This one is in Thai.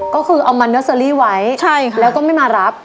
ก็คือเอามันเนอร์เซอรี่ไว้แล้วก็ไม่มารับ